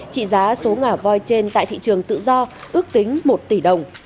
trị giá số ngà voi trên tại thị trường tự do ước tính một tỷ đồng